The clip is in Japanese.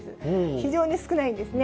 非常に少ないんですね。